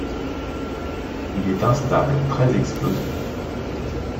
Il est instable, très explosif.